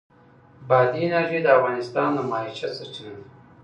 بادي انرژي د افغانانو د معیشت سرچینه ده.